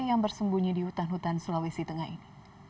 yang bersembunyi di hutan hutan sulawesi tengah ini